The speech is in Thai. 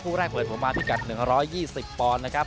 คู่แรกเหล่นปัวมาที่กัด๑๒๐ปลอนนะครับ